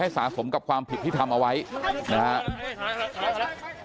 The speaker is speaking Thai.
สะสมกับความผิดที่ทำเอาไว้นะครับ